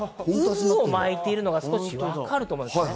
渦を巻いているのが少しわかると思います。